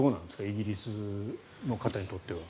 イギリスの方にとっては。